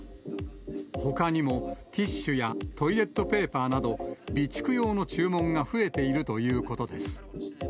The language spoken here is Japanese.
ほかにも、ティッシュやトイレットペーパーなど、備蓄用の注文が増えているということです。